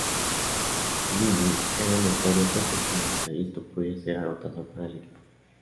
Fellini era un notorio perfeccionista, y esto podía ser agotador para el equipo.